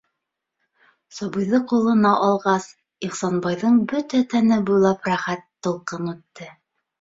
Сабыйҙы ҡулына алғас, Ихсанбайҙың бөтә тәне буйлап рәхәт тулҡын үтте.